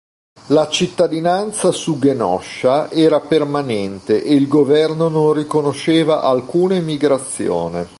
La cittadinanza su Genosha era permanente e il governo non riconosceva alcuna emigrazione.